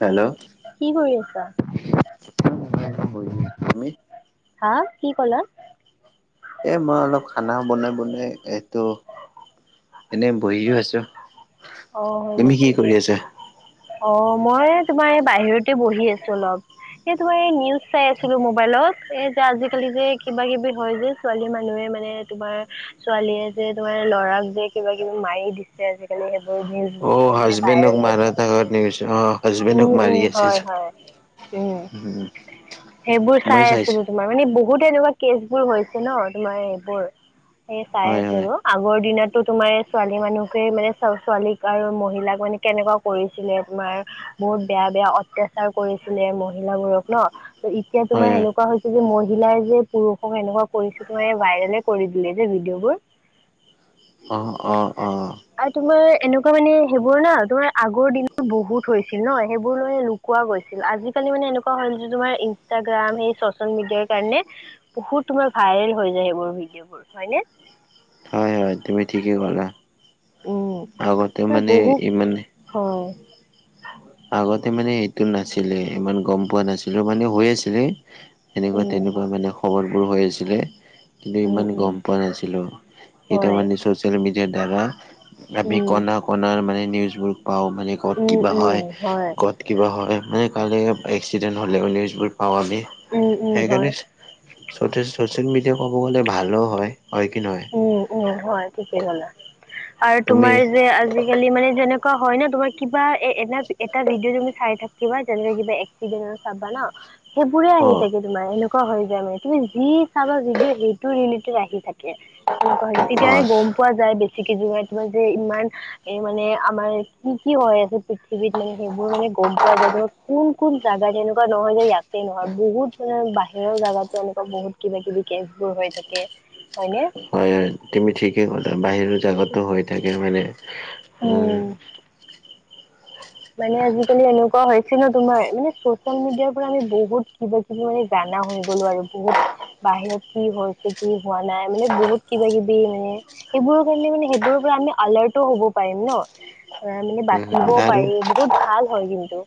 Hello, কি কৰি আছা? তুমি হা কি কলা? এই মই অলপ খানা বনাই বনাই এইটো এনেই বহিও আছো। অ', হয়। তুমি কি নেকি কৰি আছা অ মই তোমাৰ এই বাহিৰতে বহি আছো। অলপ স তোমাৰ নিউজ চাই আছিলো। মোবাইলত এই যে আজিকালি যে কিবা কিবি হয় যে ছোৱালী মানুহে মানে তোমাৰ ছোৱালীয়ে যে তোমাৰ ল'ৰাক যে কিবা কিবি মাৰি দিছে আজিকালি সেইবোৰ দিল। অ', হাজবেণ্ডোক মাৰাটা ঘ নিকছ অ, হাজবেণ্ডক উম', মাৰি উম, আছে হয়। হয়। উম, সেইবোৰ মই চাই চাইছো আছিলো। তোমাৰ মানে বহুত এনেকুৱা কেচবোৰ হৈছে ন তোমাৰ এইবোৰ এ চাই হয় আছো। হয় আগৰ দিনতো তোমাৰ ছোৱালী মানুহকে মানে ছোৱালীক আৰু মহিলাক মানে কেনেকুৱা কৰিছিলে তোমাৰ। বহুত বেয়া বেয়া অত্যাচাৰ কৰিছিলে মহিলাবোৰক ন। ত' এতিয়া হয় তোমাৰ হয় সেনেকুৱা যে মহিলাই যে পুৰুষক এনেকুৱা কৰিছিলে এ ভাইৰেলে কৰি দিলে যে ভিডিঅ'বোৰ। [inaudible] অ', অ', অ'। আৰু তোমাৰ এনেকুৱা মানে সেইবোৰ ন তোমাৰ আগৰ দিনত বহুত থৈছিল ন সেইবোৰ ল লুকোৱা গৈছিল। আজিকালি মানে এনেকুৱা হ'ল তোমাৰ ইনষ্টাগ্ৰাম সেই চচিয়েল মিডিয়া কাৰণে বহুত তোমাৰ ভাইৰেল হৈ যায় সেইবোৰ ভিডিঅ' বোৰ হয়নে? হয় হয় তুমি ঠিকেই ক'লা। আগতে মানে বহুত ইমান হয়। আগতে মানে এইটো নাছিলে ইমান গম পোৱা নাছিলো মানে হৈ আছিলে। এনেকুৱা উম তেনেকুৱা মানে খবৰবোৰ হৈ আছিলে। কিন্তু উম ইমান উম গম পোৱা নাছিলো এতিয়াৰ হয় মানে ছ'চিয়েল মিডিয়াৰ দ্বাৰা আমি উম কণা কণাৰ মানে নিউজবোৰ পাওঁ মানে ক'ত কিবা উম হয়। উম হয়। ক'ত কিবা হয় মানে কাললৈ এক্সিডেণ্ট হ'লে নিউজবোৰ পাওঁ। আমি উম উম হয় সেইকাৰণে চ' চ'চিয়েল মিডিয়া ক'ব গ'লে ভালো হয় হয় কি নহয়? উম, উম, হয় ঠিকেই ক'লা আৰু তুমি তোমাৰ যে আজি আজিকালি মানে যেনেকুৱা হয় ন তোমাৰ কিবা এ এটা এটা ভিডিঅ' তুমি চাই থাকিবা যেনে কিবা একচিদেন্ট চাবা ন। সেইবোৰে অ আহি থাকে তোমাৰ এনেকুৱা হৈ যায় মানে। তুমি যি চাবা ভিডিঅ' সেইটো ৰিলেটেড আহি থাকে। তেনেকুৱা হৈছে অ তেতিয়াহে গম পোৱা যায় বেছি কে জোৱাই তোমাৰ যে ইমান এই মানে আমাৰ কি কি হয় আছে পৃথিৱীত মানে সেইবোৰ মানে গম পোৱা যায় ধৰক কোন কোন জেগাত এনেকুৱা নহয় যে ইয়াতে নহয় বহুত মানে বাহিৰৰ জাগাতো এনেকুৱা বহুত কিবা কিবি কেচবোৰ হৈ থাকে হয়নে। হয়, হয়, তুমি ঠিকেই ক'লা বাহিৰৰ জাগাতো হৈ থাকে মানে উম মানে আজিকালি এনেকুৱা হৈছে ন তোমাৰ মানে চচিয়েল মিডিয়াৰ পৰা আমি বহুত কিবা কিব মানে জানা হৈ গ'লো আৰু বহুত বাহিৰত কি হৈছে কি হোৱা নাই মানে বহুত কিবা কিবি মানে সেইবোৰৰ কাৰণে মানে সেইবোৰৰ পৰা আমি আলাৰ্টো হ'ব পাৰিম ন। অ' মানে বাচিব আৰু বহুত ভাল হয় কিন্তু।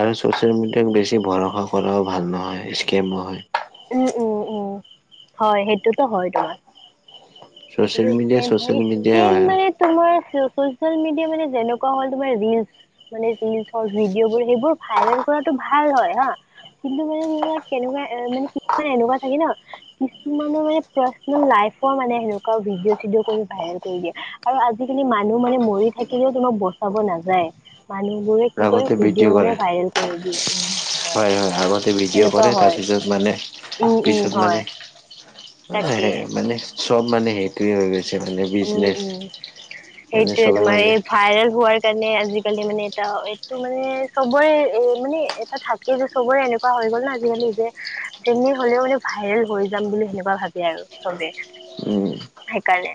আৰু চ'চিয়েল মিডিয়াক বেছি ভৰসা কৰাও ভাল নহয় স্কেমো হয়। উম, উম। উম হয়, সেইটোতো হয় তোমাৰ। ছ'চিয়েল এইটোতো মিডিয়া স্কেম হয় ছ'চিয়েল মিডিয়াই স্কেম হয় মানে তোমাৰ চ'চিয়েল মিডিয়া মানে যেনেকুৱা হ'ল তোমাৰ ৰিলচ মানে ৰিলচ ভিডিঅ'বোৰ সেইবোৰ ভাইৰেল কৰাটো ভাল হয় হা। কিন্তু মানে তোমাক কেনেকুৱা এ মানে কি এনেকুৱা থাকে ন। কিছুমানৰ মানে পাৰ্চনেল লাইফৰ মানে সেনেকুৱা ভিডিঅ' চিডিঅ' কৰি ভাইৰেল কৰি দিয়ে। আৰু আজিকালি মানুহ মানে মৰি থাকিলেও তোমাক বচাব নাযায় মানুহবোৰে। কি কৰি আগতে ভিডিঅ' কৰে বনাই ভাইৰেল কৰি দিয়ে উম হয় আগতে ভিডিঅ' এনেকুৱা কৰে হয়। তাৰপিছত উম, উম, হয়। তাকে সেই মানে চব মানে সেইটোৱে হৈ ছে মানে উম বিজনেচ উম মানে সেইটোয়ে চবেই তোমাৰ মানে এই ভাইৰেল হোৱাৰ কাৰণে আজিকালি মানে এটা এইটো মানে চবৰে এ মানে এটা থাক এই যে চবৰে এনেকুৱা হৈ গ'ল ন আজিকালি যে যোনে হলেও মানে ভাইৰেল হৈ যাম বুলি সেনেকুৱা ভাবে আৰু। চবে উম সেইকাৰণে।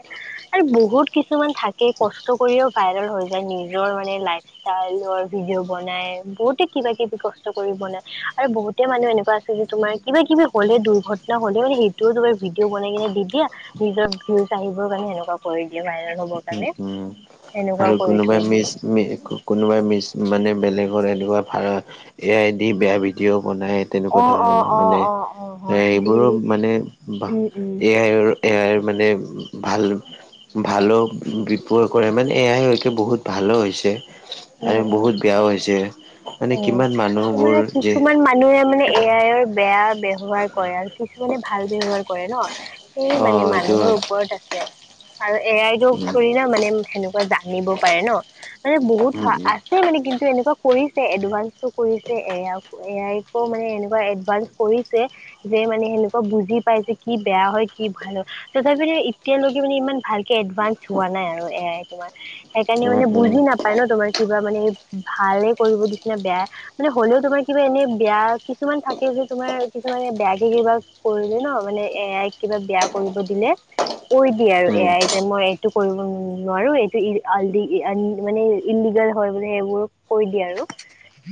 আৰু বহুত কিছুমান থাকে কষ্ট কৰিও ভাইৰেল হৈ যায়, নিজৰ মানে লাইফ- ষ্টাইলৰ ভিডিঅ' বনাই, বহুতে কিবা কিবি কষ্ট কৰি বনাই আৰু বহুত- তে মানুহ এনেকুৱা আছে যে তোমাৰ কিবাকিবি হ'লে দুৰ্ঘটনা হ'লে মানে সেইটোও তোমাৰ ভিডিঅ বনাই কিনে দি দিয়ে- নিজৰ ভিউজ আহিবৰ কাৰণে সেনেকুৱা কৰি দিয়ে ভাইৰেল হ'বৰ উম কাৰণে। উম সেনেকুৱা আৰু কৰি কোনোবা থৈ দিয়ে। মেজ মে কৌ- কোনোবাই মিছ মানে বেলেগৰ এনেকুৱা ভাৰত এ আই দি বেয়া ভিডিঅ' বনাই। তেনেকুৱা অ', অ', ধৰণৰ অ', মানে, অ', অ', এ হয় এইবোৰো আজিকালি মানে বাহ উম, উম। এ আইৰ- এয়াই মানে ভাল ভাল বিপয় কৰে মানে- এয়া সেইটো বহুত ভালো হৈছে আৰু উম, উম। বহুত বেয়াও হৈছে। মানে উম' কিমান তোমাৰ মানুহবোৰ যে কিছুমান মানুহে মানে- এ আইৰ বেয়া ব্যৱহাৰ কৰে আৰু কিছুমানে ভাল ব্যৱহাৰ কৰে ন। সি অ মানে এইটো মানুহৰ হয় ওপৰত আছে আৰু এ আইটৌ উম থোৰে না মানে সেনেকুৱা জানিব। পাৰে ন মানে বহুত উম আছে মানে কিন্তু, এনেকুৱা কৰি- তে এডভান্সটো কৰিছে এ আই এ আইকো মানে এনেকুৱা এডভানস কৰিছে- যে মানে সেনেকুৱা বুজি পাই যে, কি বেয়া হয় কি ভাল হয়। তথাপিতো এতিয়ালৈকে মানে ইমান ভালকে এডভান্স হোৱা নাই আৰু এ আই তোমাৰ। সেইকাৰণে উম উম মানে উম বুজি নাপায় ন তোমাৰ কিবা মানে ভালে কৰিব দিছে নে বেয়াই- মানে হলেও তোমাৰ কিবা এনেই বেয়া কিছুমান থাকে যে তোমাৰ কিছুমানে বেয়াকে কিবা- কৰিলে ন, মানে এ আইক কিবা বেয়া কৰিব দিলে। কৈ দিয়ে আৰু এ উম, আইয়ে যে মই এইটো কৰিব নোৱাৰো, এইটো ই আল দি ই এন মানে ইল্লিগেল হয় বোলি সেইবোৰ কৈ দিয়ে আৰু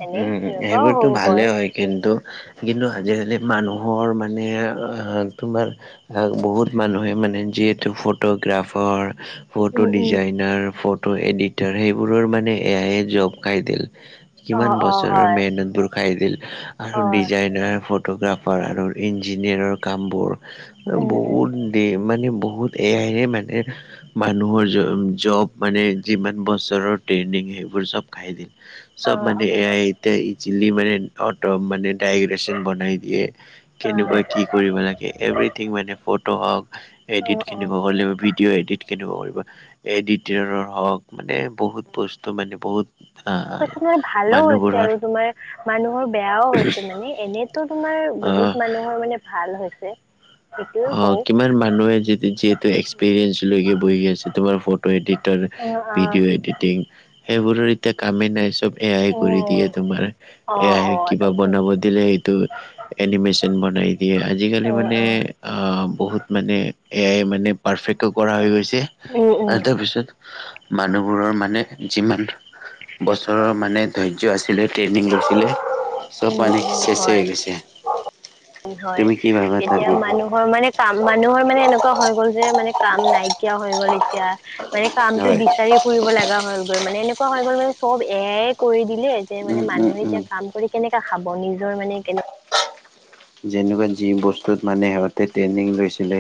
এনেই, উম, সেনেকুৱাও সেইবোৰতো স ভালে হয়। কিন্তু, কিন্তু আজিকালি মানুহৰ মানে তোমাৰ- এ বহুত মানুহে মানে, যিহেতু photographer- photo um um designer photo editor সেইবোৰৰ মানে এ আইয়ে জব খাই দিল। অ কিমান অ বছৰৰ হয় মেহনতবোৰ খাই দিল আৰু হয় ডিজাইনাৰ ফট- টোগ্ৰাফাৰ আৰু ইঞ্জিনিয়াৰৰ কামবোৰ উম উম বহুত- তেই মানে বহুত এ আইয়ে মানে- মানুহৰ জ জব মানে যিমান বছৰৰ ট্ৰেইনিং সেইবোৰ চব খাই দিল। চব অ অ মানে এ আই এতিয়া ই- চিলি মানে অটো মানে ডাইগ্ৰেচন বনাই দিয়ে, কেনেকুৱা কি? অ কৰিব লাগে এভ্ৰিথিং মানে, ফটো হওক অ অ এডিটখিনি হলেও ভি- ভিডিঅ' এডিটখিনি‌ কৰিব, এডিটিংয়ে হওক মানে বহুত বস্তু মানে বহুত- আহ কিছুমান ভালো হৈছে মানুহবোৰৰ আৰু তোমাৰ। মানুহৰ বেয়াও হৈছে মানে, এনেইতো তোমাৰ আহ বহুত মানুহৰ মানে ভাল হৈছে। সেইটোয়ে অ' কওঁ কিমান মানুহে যি যিহেতু এক্সপেৰিয়েঞ্চ লৈকে বহি আছে, তোমাৰ photo editor- um ah video editing, সেইবোৰৰ এতিয়া কামেই নাই চব এ আইয়ে কৰি উম দিয়ে তোমাৰ। অ এ আই অ সেই কিবা তাকে বনাব দিলে সেইটো- এনিমেচন বনাই দিয়ে, আজিকালি উম মানে- আঁহ বহুত মানে, এ আই মানে পাৰফেক্টো কৰা হৈ গৈছে। উম উম তাৰপিছত, - মানুহবোৰৰ মানে, যিমান- বছৰৰ মানে ধৈৰ্য্য আছিলে, ট্ৰেইনিং লৈছিলে। চব উম মানে উম উম চেছে হৈ হয় গৈছে। হয়, তুমি কি ভাবা তাৰ তেতিয়া বিষয়ে মানুহৰ মানে- কাম মানুহৰ মানে এনেকুৱা হৈ গ'ল যে, মানে কাম নাইকিয়া হৈ গ'ল এতিয়া। মানে কামটো হয় বিচাৰি ফুৰিব লাগা হ'লগৈ, মানে এনেকুৱা হৈ গ'ল মানে চব এ আই। কৰি দিলে যে উম, মানে উম, মানুহে উম, এতিয়া কাম কৰি কেনেকা খাব নিজৰ মানে কেনে যেনেকুৱা যি বস্তুত মানে সিহঁতে ট্ৰেইনিং লৈছিলে।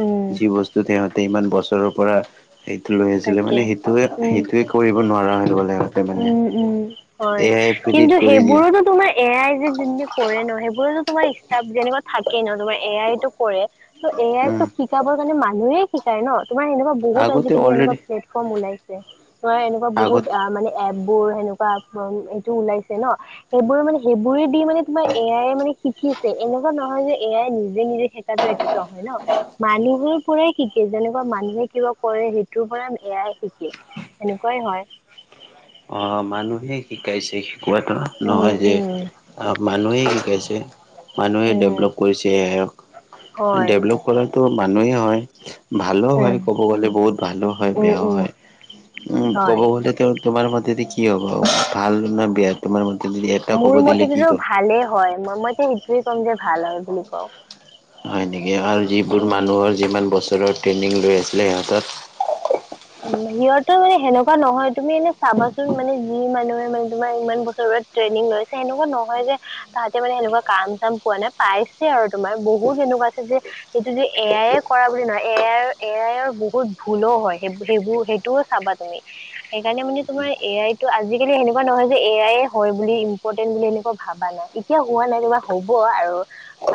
উম যি বস্তুত সিহঁতে ইমান বছৰৰ পৰা। সেইটো লৈ আছিলে তাকে মানে সেইটোৱে সেইটোৱে উম সেইটোৱে কৰিব নোৱাৰা হল বোলে উম' উম' হয়, ফ্ৰীত কিন্তু কৰি দিয়ে সেইবোৰতো তোমাৰ এ আই যে যোনটো কৰে ন, সেইবোৰতো তোমাৰ ষ্টাফ যেনেকুৱা থাকেই ন, তোমাৰ এ আই তো পৰে। ত' এ আই ক উম, ত' শিকাবৰ কাৰণে মানুহে শিকায় ন' তোমাৰ এনেকুৱা বহুত আগতে আজিকালি এনেকুৱা অলৰেডি প্লেট ফ্ৰম ওলাইছে, ধৰা এনেকুৱা বহুত আগত আ মানে এপবোৰ সেনেকুৱা, এইটো ওলাইছে ন। সেইবোৰ মানে সেইবোৰেদি মানে তোমৰ এ আইয়ে মানে। শিকিছে এনেকুৱা নহয় যে এ আইয়ে নিজে নিজে শিকাটো এইটো নহয় ন মানুহে পৰাই শিকে যেনেকুৱা মানুহে কিবা কৰে সেইটোৰ পৰা এ আইয়ে শিকে সেনেকুৱাই হয় অ' মানুহে শিকাইছে। কোৱাটো উম নহয় যে উম মানুহেই শিকাইছে মানুহে উম। ডেভলপ কৰিছে এওঁক হয়। ডেভেলপ কৰাটো মানুহে হয় ভালো হয় উম, ক'ব গ'লে বহুত ভালো হয় উম, বেয়াও উম। হয় উম ক'ব হয় গ'লেতো তাকে, তোমাৰ ম তেদি কি হ'ব ভাল না বেয়া তোমাৰ মতে‌যদি এপ মোৰ মতেদিতো ভালেই হয়, মই মইতো সেইটোৱে ক'ম যে ভাল হয় বুলি কওঁ। হয় নেকি, আৰু যিবোৰ উম, মানুহৰ যিমান বছৰৰ ট্ৰেইনিং লৈ আছিলে সিহঁতৰ। উম, সিহঁতৰ মানে সেনেকুৱা নহয়। তুমি এনে চাবাচোন, মানে, যি মানুহে মানে তোমাৰ ইমান বছৰত ট্ৰেইনিং লৈছে এনেকুৱা নহয় যে তাহতে মানে সেনেকুৱা কাম চাম পোৱা নাই। পাইছে আৰু তোমাৰ বহুত এনেকুৱা আছে যে, সেইটো যে এ আইয়ে কৰা বুলি নহয় এ আইৰ এ আইৰ বহুত ভুলো হয়। সেইব সেইবোৰ সেইটোও চাবা তুমি সেইকাৰণে মানে তোমাৰ এ আই টো আজি-কালি সেনেকুৱা নহয় যে, এ আইয়ে হয় বুলি ইম্ পৰ্টেণ্ট বুলি এনেকুৱা ভাবা নাই, এতিয়াও হোৱা নাই কিবা হ'ব আৰু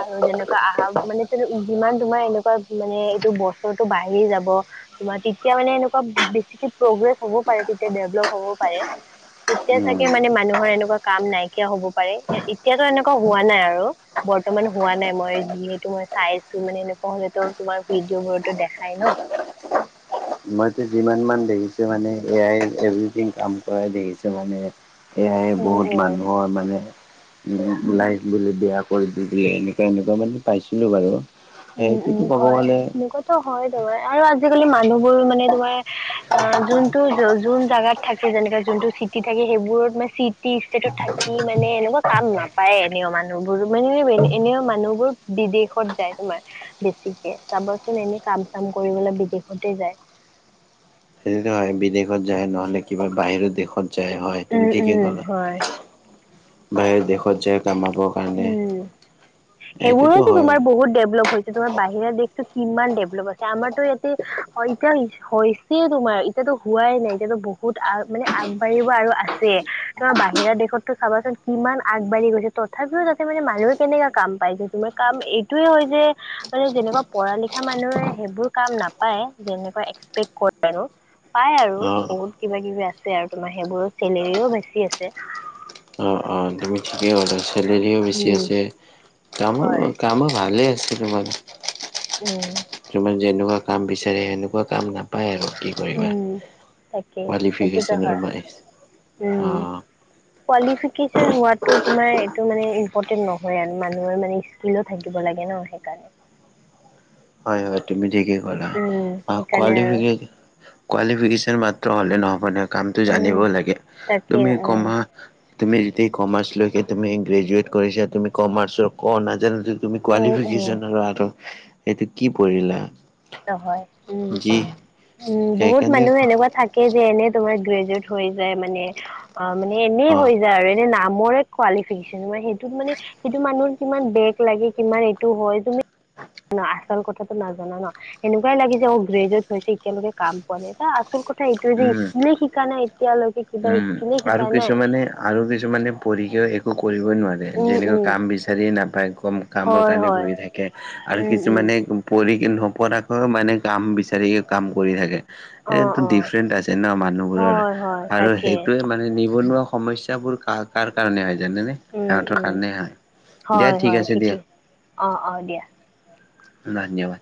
আৰু যেনেকুৱা আহা, মানে তোৰ উ যিমান তোমাৰ এনেকুৱা মানে, এইটো বছৰটো বাঢ়ি যাব। তোমাৰ, তেতিয়া মানে এনেকুৱা বেছিকে প্ৰগ্ৰেছ হ'বও পাৰে, তেতিয়া ডেভেলপ হ'বও পাৰে। তেতিয়া উম ছাগে মানে মানুহৰ এনেকুৱা কাম নাইকিয়া হ'ব পাৰে। এ এতিয়াতো এনেকুৱা হোৱা নাই আৰু। বৰ্তমান হোৱা নাই। মই যিহেতু মই চাইছো মানে, এনেকুৱা হ'লেতো তোমাৰ ভিডিঅ' বোৰতো দেখায় ন। মইতো যিমান মান দেখিছো মানে, এ আইয়ে এভ্ৰিথিং কাম কৰাই দেখিছো মানে। এ আইয়ে উম বহুত উম মানুহৰ মানে লাইফবোলে বেয়া কৰি দিলি, এনেকুৱা এনেকুৱা মানে পাইছিলো বাৰু। উম, উম, সেইটোতো ক'ব হয়। গ'লে লগত টো হয় তোমাৰ আৰু আজি-কালি মানুহবোৰ মানে তোমাৰ অ যোনটো যো যোন জাগাত থাকে। যেনেকা যোনটো চিটি থাকে, সেইবোৰত মানে চিটি, ষ্টেটত থাকি মানে এনেকুৱা কাম নাপায়ে এনেও মানুহবোৰ মানে এনে এনেও মানুহবোৰ বিদেশত যায় তোমাৰ। বেছিকে, চাবচোন এনে কাম চাম কৰিবলে বিদেশতে যায়। সেইটোতো হয়, বিদেশত যায়, নহ'লে কিবা বাহিৰৰ দেশত যায়। হয়, উম তুমি ঠিকে উম ক'লা। হয় বাহিৰৰ দেশত যায় কামাব উম। সেইবোৰোতো হয় তোমাৰ বহুত ডেভেলপ হৈছে। এতিয়া তোমাৰ বাহিৰা দেশ টোত কিমান ডেভেলপ হৈছে, আমাৰতো ইয়াতে অ এতিয়া ই হৈ ছে তোমাৰ। এতিয়াতো হোৱাই নাই, এতিয়াতো বহুত আ মানে আগবাঢ়িব আৰু আছে। তোমাৰ বাহিৰা দেশতটো চাবাচোন কিমান আগবাঢ়ি গৈছে, ত থাপিও তাতে মানে মানুহখিনিয়ে কাম পাইছে। তোমাৰ কাম এইটোয়ে হয় যে, মানে যেনেকুৱা পঢ়া লিখা মানুহে সেইবোৰ কাম নাপায়, যেনেকুৱা এক্সপেক্ট কৰে আৰু। পায় আৰু অ বহুত কিবা-কিবি আছে আৰু, তোমাৰ সেইবোৰত চেলেৰিও বেছি আছে। অ', অ', তুমি ঠিকেই কৈছা। চেলেৰিও বেছি উম আছে, হয় কামো-কামো ভালে আছে তোমাৰ। উম [inaudible] তোমাৰ যেনেকুৱা কাম বিচাৰে, সেনেকুৱা কাম পা পাই আৰু কি কৰিবা? উম তাকে সেইটোতো কোৱালিফিকেচন আৰু হয় মানে, উম অ'। কোৱালিফিকেচন হোৱাটো তোমাৰ এইটো মানে ইম্পৰ্টেণ্ট নহয় আৰু মানুহৰ মানে স্কীলো থাকিব লাগে ন, সেইকাৰণে। হয়, হয়, তুমি ঠিকেই ক'লা। উম অ সেইকাৰণে আৰু কোৱালিফিকে কোৱালিফিকেচন মাত্ৰ হ'লে নহ'ব নহয়, কামটো উম জানিবও লাগে। তাকে তুমি উম কমা তুমি যদি কমাৰ্চলৈকে তুমি গ্ৰেজুয়েট কৰিছা। তুমি কমাৰ্চৰ ক নাজানো যদি তুমি উম কোৱালিফিকেচন [inaudible] উম আৰু সেইটো কি পঢ়িলা? অ' হয়। উম, যি উম, বহুত সেইকাৰণে মানুহে এনেকুৱা থাকে যে, এনে তোমাৰ গ্ৰেজুৱেট হৈ যায় মানে অ' মানে এনে অ হৈ যায় আৰু এনে নামৰে কোৱালিফিকেচন। মানে সেইটোত মানে সেইটো মানুহৰ কিমান বেগ লাগি কিমান এইটো হয়, তুমি [inaudible] আচল কথাটো নাজানা ন? সেনেকুৱাই লাগে যে, অ' গ্ৰেজুৱেট হৈছে এতিয়ালৈকে কাম কৰে। তাৰ আচল কথা এইটোয়ে যে, স্ উম কীলে শিকা নাই এতিয়ালৈকে, কিবা উম স্কিলে আৰু শিকা নাই কিছুমানে আৰু কিছুমানে পঢ়িকেও একো কৰিবই নোৱাৰে। উম যেনেকা উম কাম বিচাৰি নাপায়, কম কামৰ হয় কাৰণে হয় ঘূৰি থাকে আৰু উম উম কিছুমানে পঢ়িকে নপঢ়াকৈও মানে কাম বিচাৰিয়ে, কাম কৰি থাকে। অ এইটো অ ডিফাৰেণ্ট আছে ন, মানুহবোৰৰ হয় হয় আৰু তাকে সেই মানে নিবনুৱা সমস্যাবোৰ কা-কাৰ কাৰণে হয় জানেনে? উম সিহঁতৰ উম কাৰণেই হয়। দিয়া ঠিক হয় আছে ঠিকে দিয়া। অ', অ' দিয়া। ধন্যবাদ!